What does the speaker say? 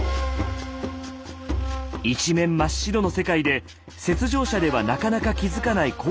一面真っ白の世界で雪上車ではなかなか気付かない